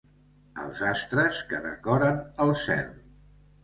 Els astres que decoren el cel.